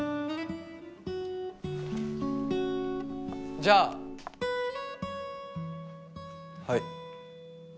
じゃあはい。